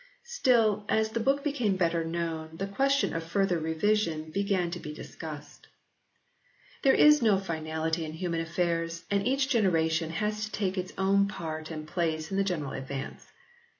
Still, as the book became better known the question of further revision began to be discussed. 82 116 HISTORY OF THE ENGLISH BIBLE [CH. There is no finality in human affairs, and each genera tion has to take its own part and place in the general advance.